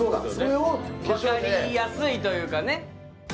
それが分かりやすいというかね。